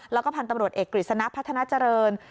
แล้วก็พันธุ์ตำรวจเอกกฤษณะพัฒนาเจริญ